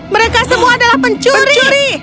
mereka semua adalah pencuri